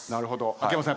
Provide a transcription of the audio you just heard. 秋山さん